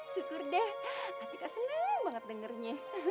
syukur deh atika senang banget dengernya